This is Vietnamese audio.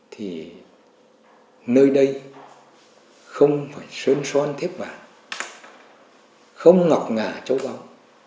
thì nơi đây không phải sơn son thiếp vàng không ngọc ngà châu báu